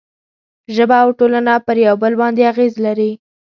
ژبه او ټولنه پر یو بل باندې اغېز لري.